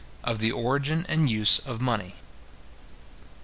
OF THE ORIGIN AND USE OF MONEY.